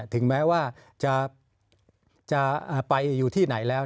ถึงแม้ว่าจะไปอยู่ที่ไหนแล้ว